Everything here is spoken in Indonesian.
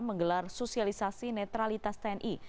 menggelar sosialisasi netralitas tni